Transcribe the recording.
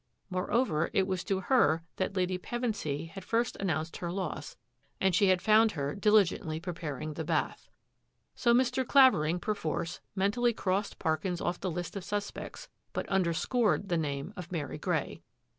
More it was to her that Lady Pevensy had first nounced her loss, and she had found her dilig preparing the bath. So Mr. Clavering, perforce, mentally cr< Parkins off the list of suspects, but undersc the name of Mary Grey.